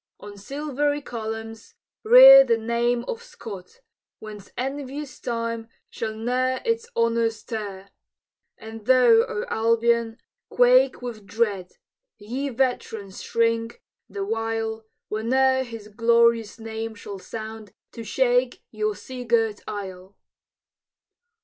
On silvery columns, rear The name of Scott, whence envious Time Shall ne'er its honors tear! And thou, O Albion, quake with dread! Ye veterans shrink, the while, Whene'er his glorious name shall sound To shake your sea girt isle!